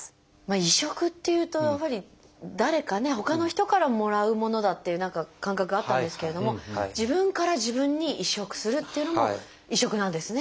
移植っていうとやはり誰かねほかの人からもらうものだっていう何か感覚があったんですけれども自分から自分に移植するっていうのも移植なんですね。